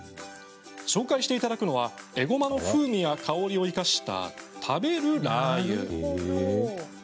紹介していただくのはえごまの風味や香りを生かした食べるラー油。